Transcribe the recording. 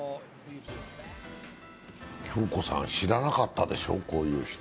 恭子さん、知らなかったでしょう、こういう人。